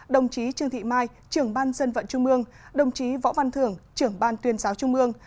đồng chí trương thị mai trưởng ban dân vận trung mương đồng chí võ văn thưởng trưởng ban tuyên giáo trung mương